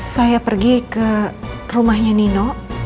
saya pergi ke rumahnya nino